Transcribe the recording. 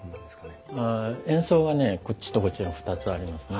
円相がねこっちとこっちに２つありますね。